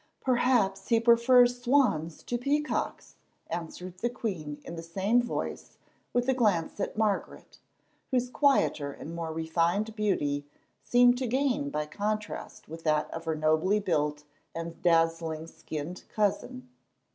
"Perhaps he prefers swans to peacocks," answered the queen in the same voice with a glance at Margaret, whose quieter and more refined beauty seemed to gain by contrast with that of her nobly built and dazzling skinned cousin.